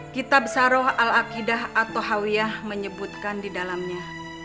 kitab saroh al akidah atau hawiyah menyebutkan di dalamnya